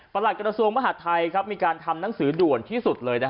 หลักกระทรวงมหาดไทยมีการทำหนังสือด่วนที่สุดเลย